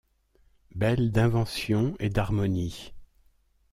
Belles d’invention et d’harmonie.